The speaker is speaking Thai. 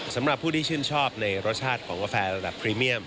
สำหรับผู้ที่ชื่นชอบในรสชาติของกาแฟระดับพรีเมียม